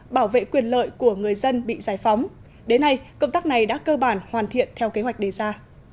bảo vệ quyền lợi của người dân bị giải phóng đến nay công tác này đã cơ bản hoàn thiện theo kế hoạch đề ra